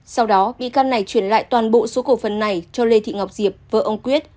sau đó bị can này chuyển lại toàn bộ số cổ phần này cho lê thị ngọc diệp vợ ông quyết